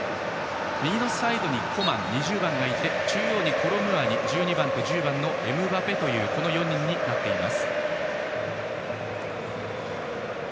右サイドにコマン、２０番がいて中央にコロムアニそして１０番のエムバペという並びになっています。